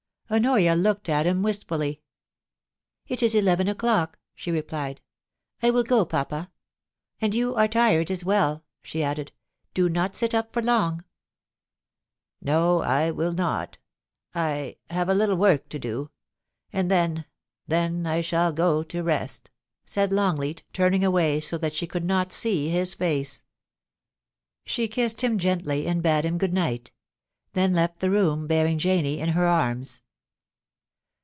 Honoria looked at him wistfully. *It is eleven o'clock,' she replied. 'I will go, papa. And you are tired as well,' she added. * Do not sit up for long.' * No ; I will not I — have a little work to do — and then — then I shall go to rest,' said Longleat, turning away so that she should not see his face. She kissed him gently, and bade him good night; then left the room, bearing Janie in her arms.